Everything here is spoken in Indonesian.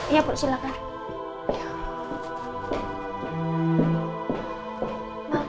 iya bu silahkan